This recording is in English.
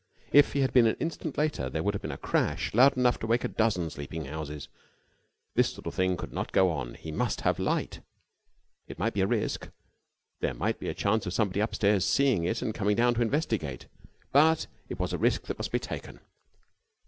If he had been an instant later, there would have been a crash loud enough to wake a dozen sleeping houses. This sort of thing could not go on. He must have light. It might be a risk: there might be a chance of somebody upstairs seeing it and coming down to investigate: but it was a risk that must be taken.